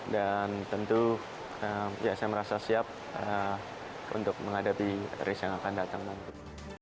dan tentu saya merasa siap untuk menghadapi race yang akan datang nanti